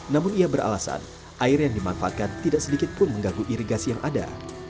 namun ia beralasan air yang dimanfaatkan tidak sedikit pun mengganggu irigasi yang ada